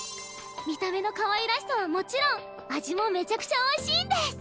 見た目のかわいらしさはもちろん味もめちゃくちゃ美味しいんです。